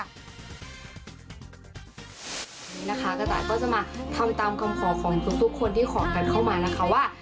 นี่นะคะกระต่ายก็จะมาทำตามคำขอของทุกคนที่ขอกันเข้ามานะคะว่า